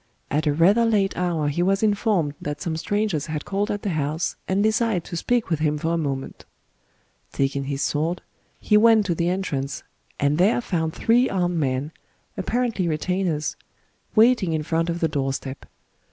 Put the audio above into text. At a rather late hour he was informed that some strangers had called at the house, and desired to speak with him for a moment Taking his sword, he went to the entrance, and there found three armed men, — apparently retainers, — waiting in front of the door step.